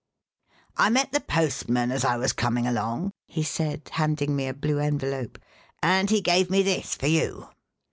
"I met the postman as I was coming along," he said, handing me a blue envelope, "and he gave me this, for you."